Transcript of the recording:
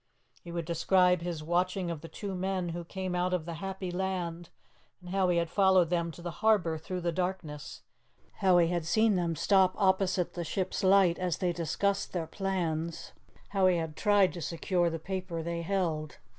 He would describe his watching of the two men who came out of 'The Happy Land,' and how he had followed them to the harbour through the darkness; how he had seen them stop opposite the ship's light as they discussed their plans; how he had tried to secure the paper they held.